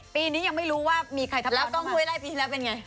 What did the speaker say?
ปีนี้ยังไม่รู้ว่ามีใครทำแล้วกล้องห้วยไล่ปีที่แล้วเป็นไง